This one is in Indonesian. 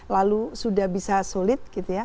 lalu sudah bisa sulit gitu ya